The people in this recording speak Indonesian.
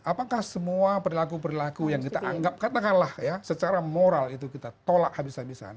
apakah semua perilaku perilaku yang kita anggap katakanlah ya secara moral itu kita tolak habis habisan